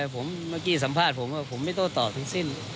ผมเมื่อกี้สัมภาษณ์ผมว่าผมไม่โต้ตอบทั้งสิ้น